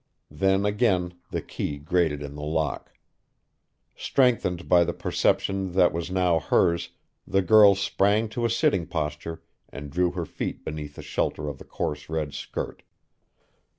Then again the key grated in the lock. Strengthened by the perception that was now hers, the girl sprang to a sitting posture and drew her feet beneath the shelter of the coarse red skirt.